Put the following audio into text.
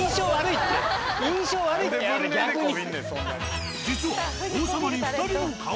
印象悪いって逆に。